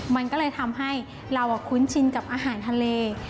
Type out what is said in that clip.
มันก็เลยทำให้เราคุ้นชินกับอาหารทะเล